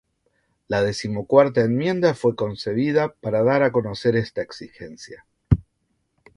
La Decimocuarta enmienda fue concebida para dar a conocer esta exigencia.